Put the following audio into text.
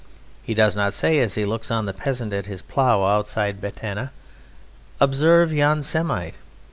He does not say as he looks on the peasant at his plough outside Batna: "Observe yon Semite!"